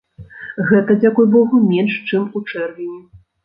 Гэта, дзякуй богу, менш чым ў чэрвені.